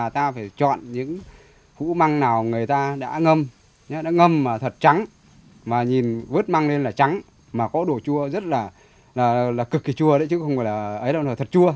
ta phải chọn những hũ măng nào người ta đã ngâm đã ngâm mà thật trắng mà nhìn vớt măng lên là trắng mà có đồ chua rất là cực kỳ chua đấy chứ không phải là ấy nó là thật chua